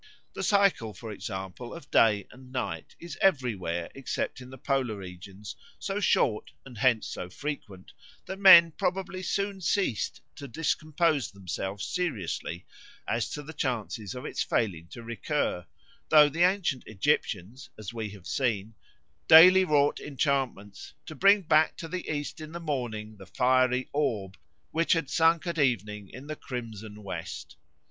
The cycle, for example, of day and night is everywhere, except in the polar regions, so short and hence so frequent that men probably soon ceased to discompose themselves seriously as to the chance of its failing to recur, though the ancient Egyptians, as we have seen, daily wrought enchantments to bring back to the east in the morning the fiery orb which had sunk at evening in the crimson west.